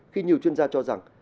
khi nhiều chuyên gia cho rằng